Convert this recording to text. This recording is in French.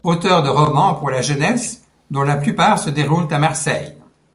Auteur de romans pour la jeunesse, dont la plupart se déroulent à Marseille.